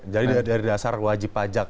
jadi dari dasar wajah pajak